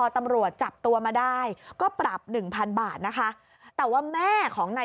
ดำแดง